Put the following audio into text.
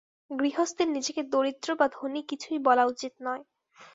গৃহস্থের নিজেকে দরিদ্র বা ধনী কিছুই বলা উচিত নয়।